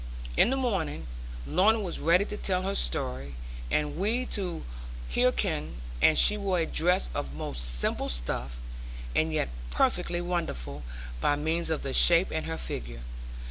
In the morning Lorna was ready to tell her story, and we to hearken; and she wore a dress of most simple stuff; and yet perfectly wonderful, by means of the shape and her figure.